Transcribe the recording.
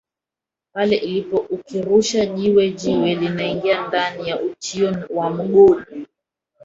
pale ilipo ukirusha jiwe jiwe linaingia ndani ya utio wa mgodi